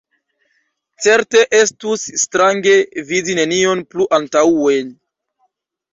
Certe estus strange vidi nenion plu antaŭen.